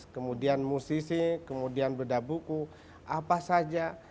kemudian musisi kemudian beda buku apa saja